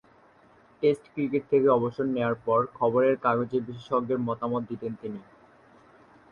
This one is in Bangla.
টেস্ট ক্রিকেট থেকে অবসর নেওয়ার পর খবরের কাগজে বিশেষজ্ঞের মতামত দিতেন তিনি।